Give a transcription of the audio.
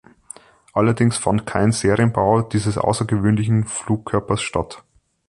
Allerdings fand kein Serienbau dieses außergewöhnlichen Flugkörpers statt.